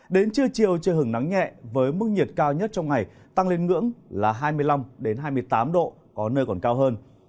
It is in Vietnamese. đến trưa chiều trời hứng nắng nhẹ với mức nhiệt cao nhất trong ngày tăng lên ngưỡng là hai mươi năm hai mươi tám độ có nơi còn cao hơn